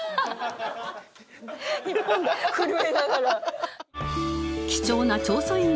１本震えながら。